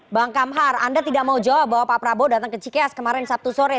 bang kamhar anda tidak mau jawab bahwa pak prabowo datang ke cikeas kemarin sabtu sore